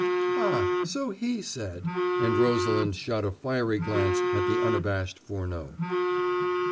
"Ah, so he said," and Rosalind shot a fiery glance at the unabashed Furneaux.